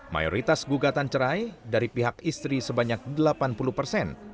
mayoritas gugatan cerai dari pihak istri sebanyak delapan puluh persen